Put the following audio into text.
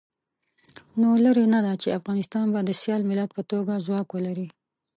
نو لرې نه ده چې افغانستان به د سیال ملت په توګه ځواک ولري.